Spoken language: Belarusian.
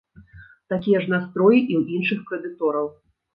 Такія ж настроі і ў іншых крэдытораў.